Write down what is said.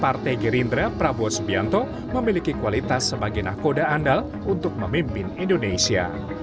partai gerindra prabowo subianto memiliki kualitas sebagai nahkoda andal untuk memimpin indonesia